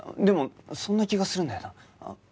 でもそんな気がするんだよなあ。